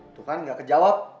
itu kan gak kejawab